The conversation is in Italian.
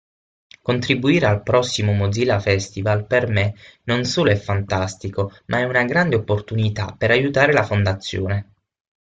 Contribuire al prossimo Mozilla Festival per me non solo è fantastico, ma è una grande opportunità per aiutare la Fondazione.